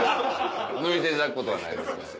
抜いていただくことはないです。